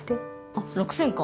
あっ６０００か。